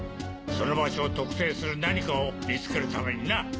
その場所を特定する何かを見つけるためにな。